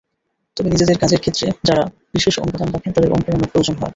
তবে নিজেদের কাজের ক্ষেত্রে যাঁরা বিশেষ অবদান রাখেন, তাঁদের অনুপ্রেরণার প্রয়োজন হয়।